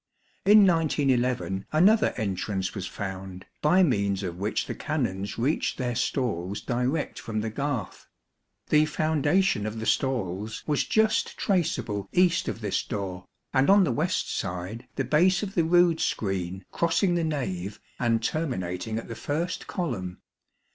In 1911 another entrance was found, by means of which the Canons reached their stalls direct from the garth ; the foundation of the stalls was just traceable east of this door, and on the west side the base of the rood screen crossing the nave and terminating at the first column.